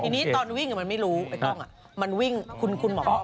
ทีนี้ตอนวิ่งมันไม่รู้ไอ้กล้องมันวิ่งคุณหมอบอก